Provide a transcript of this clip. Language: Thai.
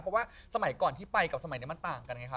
เพราะว่าสมัยก่อนที่ไปกับสมัยนี้มันต่างกันไงคะ